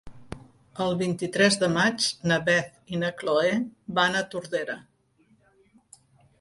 El vint-i-tres de maig na Beth i na Chloé van a Tordera.